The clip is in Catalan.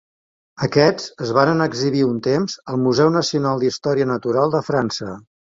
Aquests es varen exhibir un temps al Museu Nacional d'Història Natural de França.